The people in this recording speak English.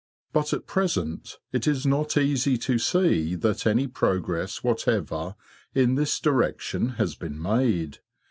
But at present it is not easy to see that any progress whatever in this direction has been made.